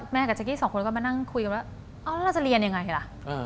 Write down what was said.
กับเจ๊กี้สองคนก็มานั่งคุยกันว่าเอาแล้วเราจะเรียนยังไงล่ะ